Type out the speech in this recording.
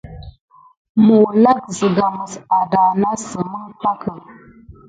Mulak zǝga mǝs ahdahnasǝm ǝn pakǝ.